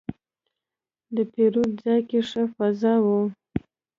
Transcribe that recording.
د پیرود ځای کې ښه فضا وه.